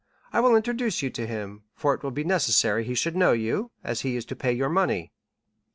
I will introduce you to him, for it will be necessary he should know you, as he is to pay your money."